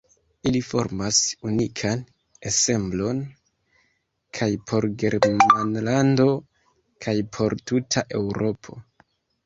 Ili formas unikan ensemblon kaj por Germanlando kaj por tuta Eŭropo.